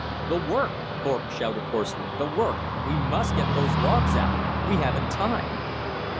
"The work," Thorpe shouted hoarsely. "The work! We must get those logs out! We haven't time!"